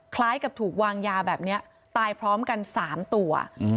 คล้ายกับถูกวางยาแบบนี้ตายพร้อมกัน๓ตัว